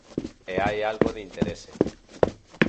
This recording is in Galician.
E hai algo de interese.